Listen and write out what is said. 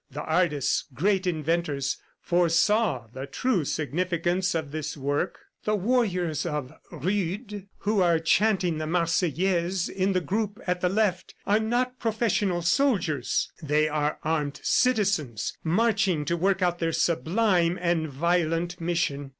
The artists, great inventors, foresaw the true significance of this work. The warriors of Rude who are chanting the Marseillaise in the group at the left are not professional soldiers, they are armed citizens, marching to work out their sublime and violent mission.